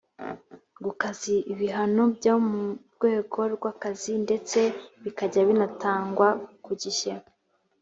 gukaza ibihano byo mu rwego rw’akazi ndetse bikajya binatangwa ku gihe